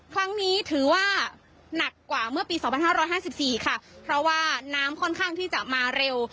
ครั้งนี้ถือว่าหนักกว่าเมื่อปี๒๕๕๔ค่ะเพราะว่าน้ำค่อนข้างที่จะมาเร็ว